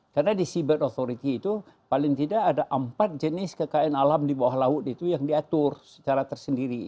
karena di cyber authority itu paling tidak ada empat jenis kekainan alam di bawah laut itu yang diatur secara tersendiri